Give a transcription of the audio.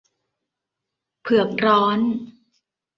เผือกร้อน